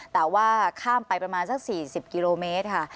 แต่ว่าข้ามไปประมาณสัก๔๐กิโลเมตรค่ะ